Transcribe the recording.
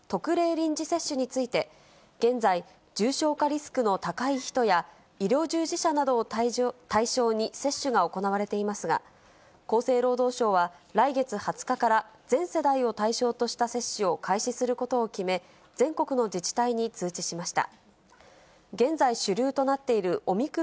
臨時接種について、現在、重症化リスクの高い人や、医療従事者などを対象に接種が行われていますが、厚生労働省は来月２０日から、全世代を対象とした接種を開始することを決め、全国の自治体に通知しました。